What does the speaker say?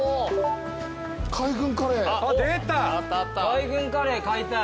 海軍カレー買いたい。